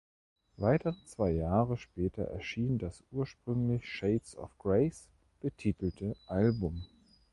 Weitere zwei Jahre später erschien das ursprünglich "Shades of Grace" betitelte Album.